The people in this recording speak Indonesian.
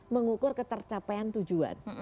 mengukur ketercapaian tujuan